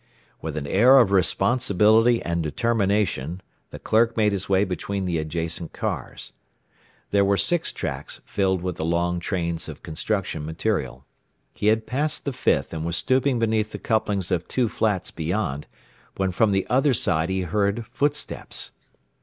With an air of responsibility and determination the clerk made his way between the adjacent cars. There were six tracks filled with the long trains of construction material. He had passed the fifth, and was stooping beneath the couplings of two flats beyond, when from the other side he heard footsteps.